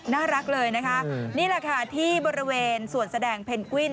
น่ารักเลยนะคะนี่แหละค่ะที่บริเวณสวนแสดงเพนกวิน